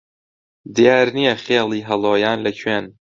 دیار نییە خێڵی هەڵۆیان لە کوێن